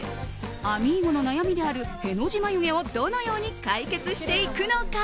あみーゴの悩みであるへの字眉毛をどのように解決していくのか。